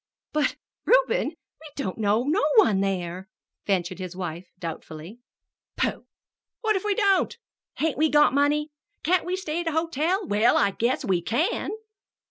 "But, Reuben, we don't know no one there," ventured his wife doubtfully. "Pooh! What if we don't? Hain't we got money? Can't we stay at a hotel? Well, I guess we can!"